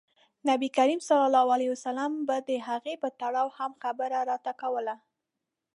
نبي کریم ص به د هغې په تړاو هم خبره راته کوله.